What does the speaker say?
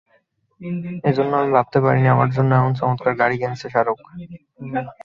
এজন্য আমি ভাবতেও পারিনি, আমার জন্য এমন চমত্কার একটি গাড়ি কিনেছে শাহরুখ।